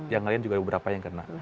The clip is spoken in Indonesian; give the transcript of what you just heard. yang lain juga beberapa yang kena